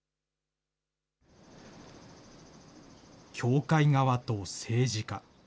教会側と政治家。